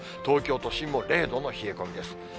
東京都心も０度の冷え込みです。